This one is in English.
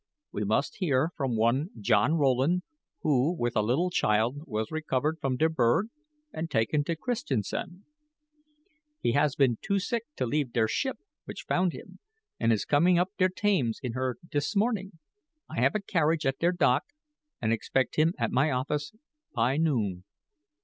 We must hear from one John Rowland, who, with a little child, was rescued from der berg and taken to Christiansand. He has been too sick to leave der ship which found him and is coming up der Thames in her this morning. I have a carriage at der dock and expect him at my office py noon.